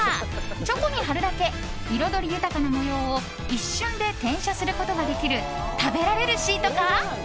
チョコに貼るだけ彩り豊かな模様を一瞬で転写することができる食べられるシートか。